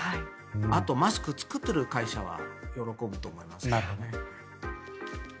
あと、マスクを作っている会社は喜ぶと思いますけどね。